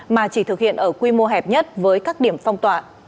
mà chỉ thực hiện ở quy mô hẹp nhất với các điểm phong tỏa